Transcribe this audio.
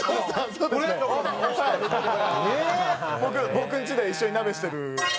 僕んちで一緒に鍋してる。